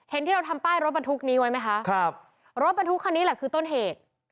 ที่เราทำป้ายรถบรรทุกนี้ไว้ไหมคะครับรถบรรทุกคันนี้แหละคือต้นเหตุ